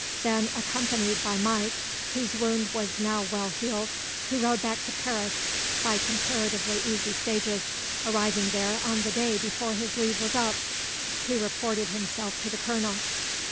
Then, accompanied by Mike, whose wound was now well healed, he rode back to Paris by comparatively easy stages, arriving there on the day before his leave was up. He reported himself to the colonel.